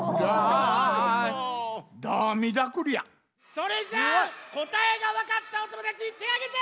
それじゃあこたえがわかったおともだちてあげて！